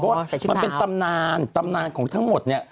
เพราะว่ามันเป็นตำนานตำนานของทั้งหมดเนี่ย